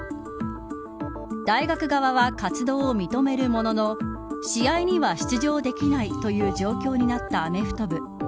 大学側は活動を認めるものの試合には出場できないという状況になったアメフト部。